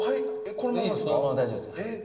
このまま大丈夫です。